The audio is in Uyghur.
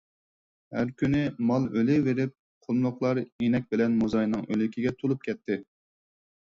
ھەر كۈنى مال ئۆلۈۋېرىپ، قۇملۇقلار ئىنەك بىلەن موزاينىڭ ئۆلۈكىگە تولۇپ كەتتى.